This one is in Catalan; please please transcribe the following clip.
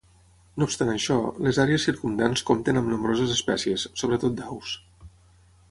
No obstant això, les àrees circumdants compten amb nombroses espècies, sobretot d'aus.